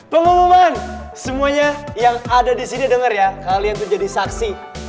pengumuman semuanya yang ada disini denger ya kalian tuh jadi saksi